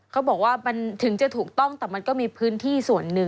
เขาบอกว่ามันถึงจะถูกต้องแต่มันก็มีพื้นที่ส่วนหนึ่ง